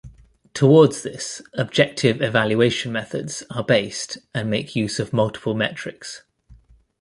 Towards this, objective evaluation methods are based and make use of multiple metrics.